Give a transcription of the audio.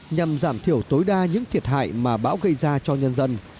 nhằm giảm thiểu tối đa những thiệt hại mà bão gây ra cho nhân dân